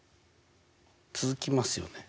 続きますよね？